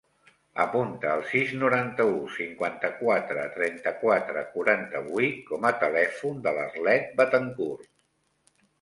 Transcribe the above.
Apunta el sis, noranta-u, cinquanta-quatre, trenta-quatre, quaranta-vuit com a telèfon de l'Arlet Bethencourt.